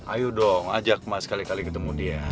ayo dong ajak mas kali kali ketemu dia